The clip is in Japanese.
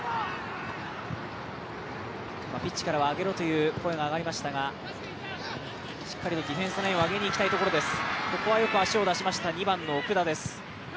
ピッチからは上げろという声が上がりましたがしっかりディフェンスラインを上げたいところです。